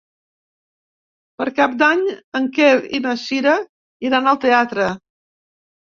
Per Cap d'Any en Quer i na Cira iran al teatre.